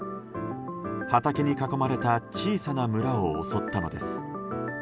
畑に囲まれた小さな村を襲ったのです。